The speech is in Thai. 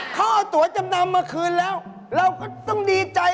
เขาเอาตัวจำนำมาคืนแล้วเราก็ต้องดีใจ